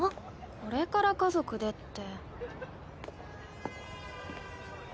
これから家族でって。